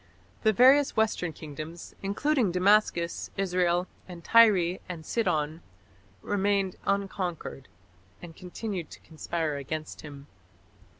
The various western kingdoms, including Damascus, Israel, and Tyre and Sidon, remained unconquered, and continued to conspire against him.